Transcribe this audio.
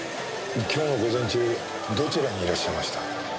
今日の午前中どちらにいらっしゃいました？